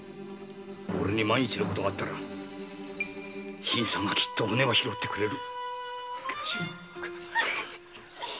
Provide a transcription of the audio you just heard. オレに万一の事があったら新さんがきっと骨は拾ってくれる。